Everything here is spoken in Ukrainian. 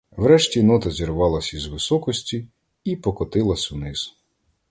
Врешті нота зірвалась із високості і покотилась униз.